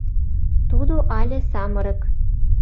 Тудо але самырык.